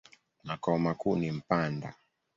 Makao makuu ni Mpanda.